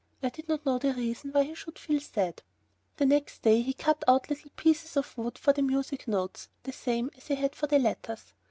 I did not know the reason why he should feel sad. The next day he cut out little pieces of wood for the music notes the same as he had for the letters.